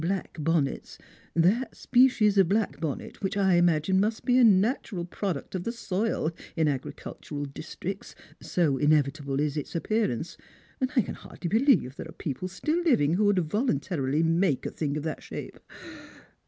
black bonaeta — hat species of black bonnet which I imagine must be a natural product of the soil in agricultural districts, so inevitable is its appearance, and I can hardly believe there are people still living ■who would voluntarily make a thing of that shape.